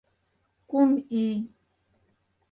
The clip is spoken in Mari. КУМ ИЙ